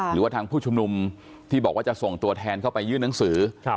หรือว่าทางผู้ชุมนุมที่บอกว่าจะส่งตัวแทนเข้าไปยื่นหนังสือ